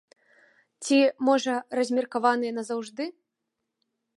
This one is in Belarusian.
Ці, можа, размеркаваныя назаўжды?